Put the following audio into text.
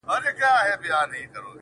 سلا کار به د پاچا او د امیر یې،